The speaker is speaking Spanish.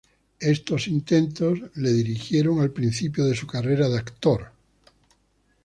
Estos intentos le dirigieron al principio de su carrera de actor.